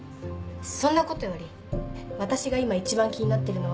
そんなことより私が今一番気になってるのはね